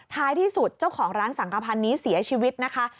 ท้ายที่สุดเจ้าของร้านสังขพันธ์นี้เสียชีวิตนะคะ